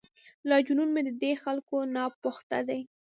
لا جنون مې ددې خلکو ناپخته دی.